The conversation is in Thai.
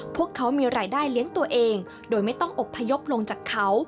พวกเขามีรายได้เลี้ยงตัวเองโดยไม่ต้องอบพยพลงจากเขา